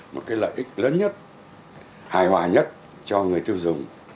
một cái lợi ích lớn nhất hài hòa nhất cho người tiêu dùng